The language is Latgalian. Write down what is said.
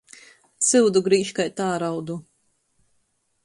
Syudu grīž kai tāraudu.